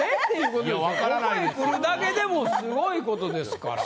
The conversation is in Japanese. ここへ来るだけでもすごいことですから。